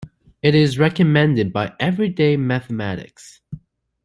It is recommended by Everyday Mathematics.